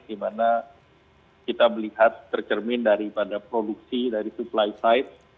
dimana kita melihat tercermin daripada produksi dari supply side